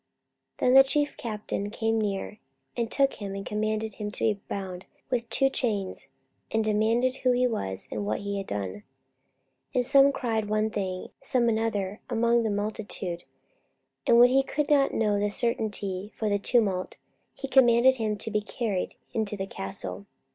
44:021:033 Then the chief captain came near, and took him, and commanded him to be bound with two chains; and demanded who he was, and what he had done. 44:021:034 And some cried one thing, some another, among the multitude: and when he could not know the certainty for the tumult, he commanded him to be carried into the castle.